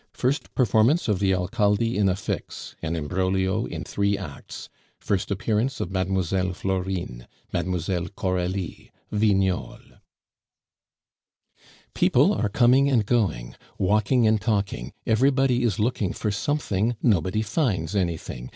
First performance of the Alcalde in a Fix, an imbroglio in three acts. First appearance of Mademoiselle Florine. Mademoiselle Coralie. Vignol. People are coming and going, walking and talking, everybody is looking for something, nobody finds anything.